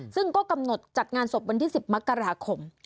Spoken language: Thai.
ซึ่งก็กำหนดจัดงานศพวันที่๑๐มกราคม